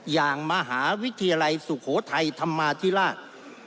อย่างมหาวิทยาลัยสุโขทัยธรรมาธิราช